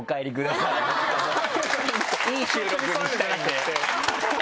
いい収録にしたいんで。